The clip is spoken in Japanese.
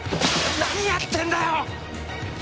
何やってんだよ！？